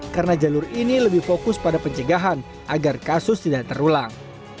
karena jalur ini lebih fokus pada pencegahan agar kasus tidak terulang